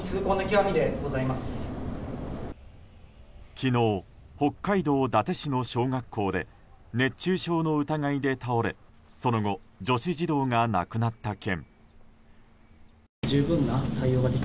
昨日、北海道伊達市の小学校で熱中症の疑いで倒れその後、女子児童が亡くなった件。